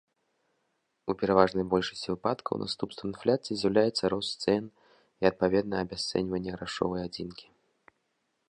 У пераважнай большасці выпадкаў наступствам інфляцыі з'яўляецца рост цэн і адпаведнае абясцэньванне грашовай адзінкі.